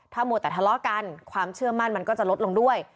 มัวแต่ทะเลาะกันความเชื่อมั่นมันก็จะลดลงด้วย